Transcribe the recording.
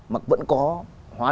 mà vẫn có